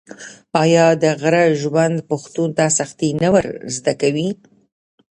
آیا د غره ژوند پښتون ته سختي نه ور زده کوي؟